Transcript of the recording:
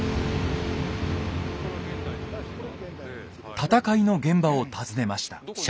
戦いの現場を訪ねました。